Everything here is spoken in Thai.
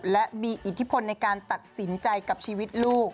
และมีอิทธิพลในการตัดสินใจกับชีวิตลูก